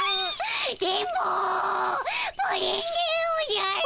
電ボプリンでおじゃる。